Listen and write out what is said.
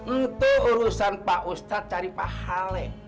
itu urusan pak ustadz cari pahaleh